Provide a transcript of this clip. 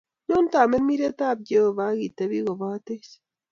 Nyo, tamirmiriet ab Jehovah akitepi kopatech